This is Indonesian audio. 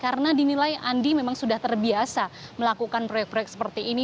karena dinilai andi memang sudah terbiasa melakukan proyek proyek seperti ini